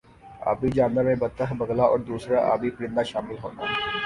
آبی جانور میں بطخ بگلا اور دُوسْرا آبی پرندہ شامل ہونا